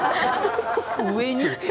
上に？